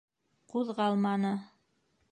Ҡуҙғалманы.